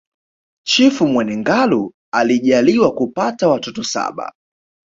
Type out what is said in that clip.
Chifu Mwene Ngalu alijaliwakupata watoto saba